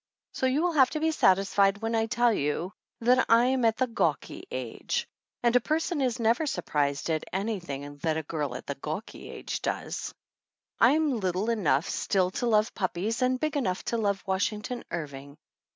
So you will have to be satisfied when I tell you that I'm at the 5 THE ANNALS OF ANN "gawky age." And a person is never surprised at anything that a girl at the "gawky age" does. I am little enough still to love puppies and big enough to love Washington Irving.